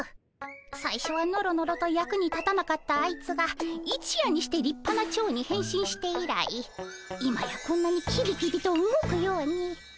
さいしょはノロノロと役に立たなかったあいつが一夜にしてりっぱなチョウに変身して以来今やこんなにキビキビと動くように。